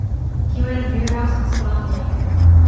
He ran a beer house in Spon Lane.